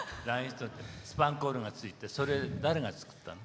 スパンコールがついててそれ、誰が作ったの？